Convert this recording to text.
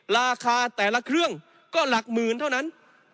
ราคาแต่ละเครื่องก็หลักหมื่นเท่านั้น